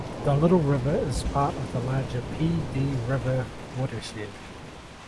The Little River is part of the larger Pee Dee River watershed.